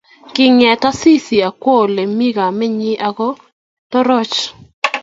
Kinget Asisi akowo ole mi kamenyi akotoroch